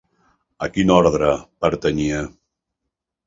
A quin ordre pertanyia?